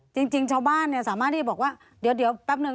จริงชาวบ้านสามารถที่จะบอกว่าเดี๋ยวแป๊บนึง